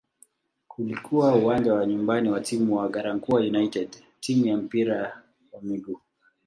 Ulikuwa uwanja wa nyumbani wa timu ya "Garankuwa United" timu ya mpira wa miguu.